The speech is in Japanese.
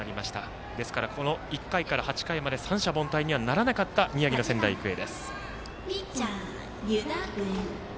ですから１回から８回までは三者凡退にならなかった宮城の仙台育英です。